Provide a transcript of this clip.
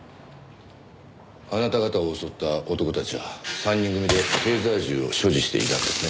あなた方を襲った男たちは３人組でテーザー銃を所持していたんですね？